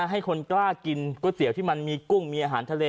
ให้คนกล้ากินก๋วยเตี๋ยวที่มันมีกุ้งมีอาหารทะเล